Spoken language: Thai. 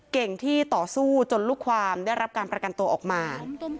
เก่งที่ต่อสู้จนลูกความได้รับการประกันตัวออกมา